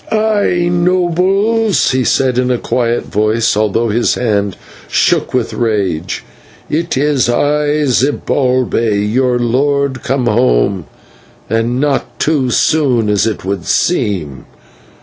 "Aye, nobles," he said, in a quiet voice, although his hand shook with rage, "it is I, Zibalbay, your lord, come home, and not too soon, as it would seem.